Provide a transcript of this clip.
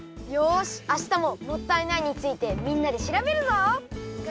よしあしたも「もったいない」についてみんなでしらべるぞ！